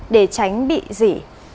để tránh bị rỉ